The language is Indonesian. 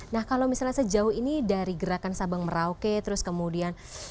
nah kalau misalnya sejauh ini dari gerakan sabang merauke terus kemudian